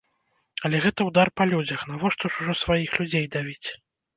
Але гэта ўдар па людзях, навошта ж ужо сваіх людзей давіць?